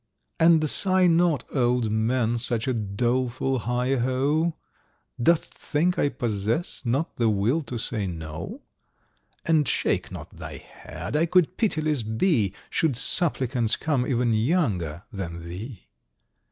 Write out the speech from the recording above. And sigh not, old man, such a doleful 'heigh ho,' Dost think I possess not the will to say, 'No'? And shake not thy head, I could pitiless be Should supplicants come even younger than thee."